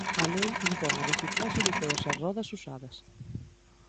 A lei impón a reciclaxe de todas as rodas usadas.